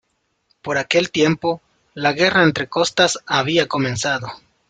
Por aquel tiempo, la guerra entre costas había comenzado.